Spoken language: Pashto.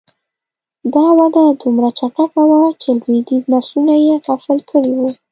دا وده دومره چټکه وه چې لوېدیځ نسلونه یې غافل کړي وو